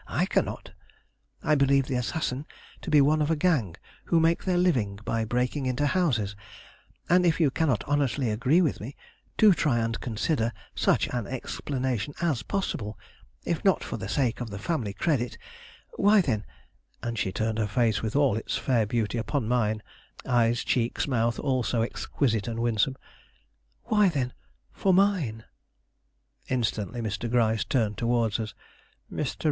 I cannot. I believe the assassin to be one of a gang who make their living by breaking into houses, and if you cannot honestly agree with me, do try and consider such an explanation as possible; if not for the sake of the family credit, why then" and she turned her face with all its fair beauty upon mine, eyes, cheeks, mouth all so exquisite and winsome "why then, for mine." Instantly Mr. Gryce turned towards us. "Mr.